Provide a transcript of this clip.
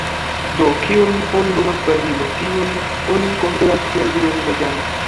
Do: Kiun oni nomas Bazilo, tiun oni konsideras kiel viron reĝan.